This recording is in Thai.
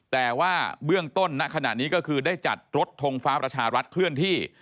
แต่ว่าเบื้องต้นณขณะนี้ก็คือได้จัดรถทงฟ้าประชารัฐเคลื่อนที่